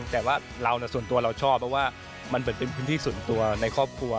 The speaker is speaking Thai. แต่ว่าเราส่วนตัวเราชอบเพราะว่ามันเหมือนเป็นพื้นที่ส่วนตัวในครอบครัว